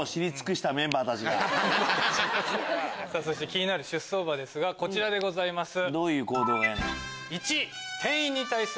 気になる出走馬ですがこちらでございます。